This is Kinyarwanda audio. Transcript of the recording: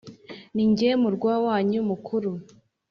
ni jye murwa wanyu mukuru,